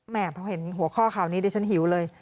พอเห็นหัวข้อข่าวนี้ดิฉันหิวเลย